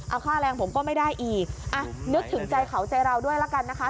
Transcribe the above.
เอาค่าแรงผมก็ไม่ได้อีกอ่ะนึกถึงใจเขาใจเราด้วยละกันนะคะ